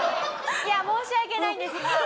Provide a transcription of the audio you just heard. いや申し訳ないんですが。